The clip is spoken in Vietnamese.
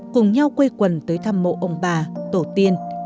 cùng nhau quây quần tới thăm mộ ông bà tổ tiên